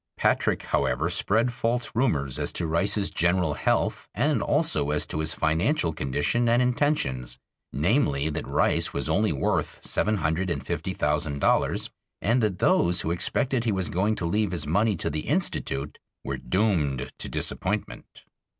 Patrick, however, spread false rumors as to Rice's general health and also as to his financial condition and intentions, namely, that Rice was only worth seven hundred and fifty thousand dollars, and that those who expected he was going to leave his money to the Institute were doomed to disappointment.